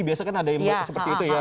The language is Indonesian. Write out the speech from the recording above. biasanya kan ada yang baik seperti itu ya